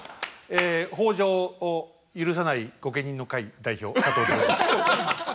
え北条を許さない御家人の会代表佐藤二朗です。